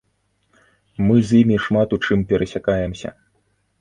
Мы з імі шмат у чым перасякаемся.